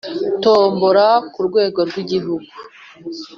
tombola ku rwego rw Igihugu